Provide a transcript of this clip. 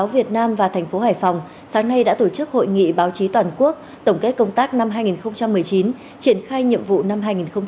việt nam và thành phố hải phòng sáng nay đã tổ chức hội nghị báo chí toàn quốc tổng kết công tác năm hai nghìn một mươi chín triển khai nhiệm vụ năm hai nghìn hai mươi